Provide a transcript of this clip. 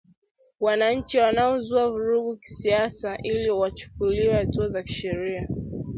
wananchi wanaozua vurugu kisiasa ili wachukuliwe hatua za kisheria